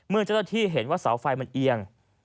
เมื่อเจ้าต้นที่เห็นว่าสาวไฟมันเอียง